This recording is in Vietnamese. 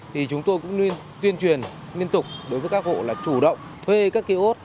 thì chúng tôi cũng nên tuyên truyền liên tục đối với các hộ là chủ động thuê các kiosk